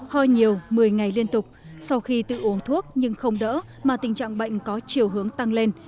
hơi nhiều một mươi ngày liên tục sau khi tự uống thuốc nhưng không đỡ mà tình trạng bệnh có chiều hướng tăng lên